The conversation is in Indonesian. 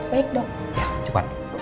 baik dok ya cepat